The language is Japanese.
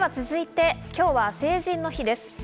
続いて今日は成人の日です。